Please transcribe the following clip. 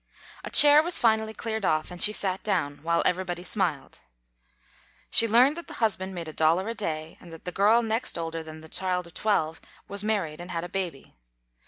A chair was finally cleared off and she sat down, while everybody smiled. She learned that the husband made a dollar a day and that the girl next older than the child of twelve was married and had a baby.